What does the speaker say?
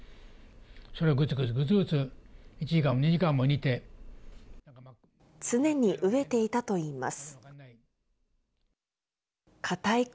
それをぐつぐつぐつぐつ１時間も常に飢えていたといいます。